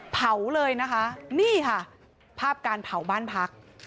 เผาเลยนะคะนี่ค่ะภาพการเผาบ้านพัก